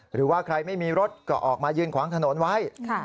หรือว่าใครไม่มีรถก็ออกมายืนขวางถนนไว้